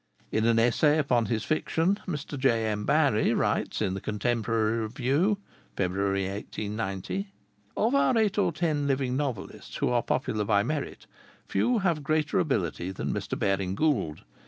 In an essay upon his fiction, Mr. J.M. Barrie writes in The Contemporary Review (February, 1890): "Of our eight or ten living novelists who are popular by merit, few have greater ability than Mr. Baring Gould.